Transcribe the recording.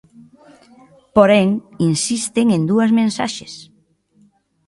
Porén, insisten en dúas mensaxes.